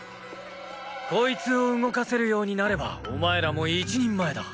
コイツを動かせるようになればお前らも一人前だ。